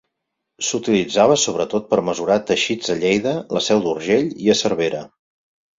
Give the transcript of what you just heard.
S'utilitzava sobretot per mesurar teixits a Lleida, la Seu d'Urgell i a Cervera.